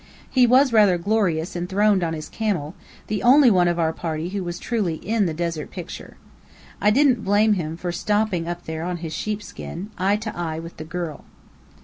He was rather glorious enthroned on his camel, the only one of our party who was truly "in" the desert picture. I didn't blame him for stopping up there on his sheepskin, eye to eye with the girl.